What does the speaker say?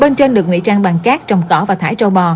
bên trên được nguy trang bằng cát trồng cỏ và thải trâu bò